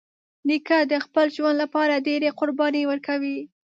نیکه د خپل ژوند له پاره ډېری قربانۍ ورکوي.